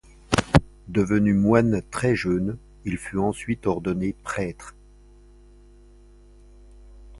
Devenu moine très jeune, il fut ensuite ordonné prêtre.